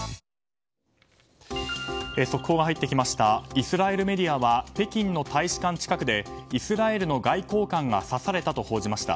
イスラエルメディアは北京の大使館近くでイスラエルの外交官が刺されたと報じました。